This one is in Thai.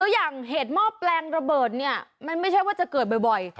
อย่างเหตุหม้อแปลงระเบิดเนี่ยมันไม่ใช่ว่าจะเกิดบ่อย